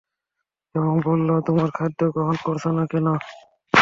এবং বলল, তোমরা খাদ্য গ্রহণ করছ না কেন?